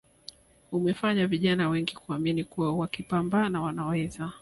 amefanya vijana wengi kuamini kuwa wakipambana Wanaweza